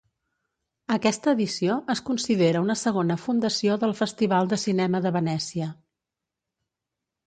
Aquesta edició es considera una segona fundació del Festival de Cinema de Venècia.